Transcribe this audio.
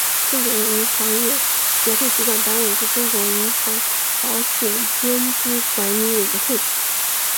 中国银行业协会主管单位是中国银行保险监督管理委员会。